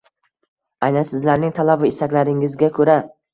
Aynan sizlarning talab va istaklaringizga ko‘ra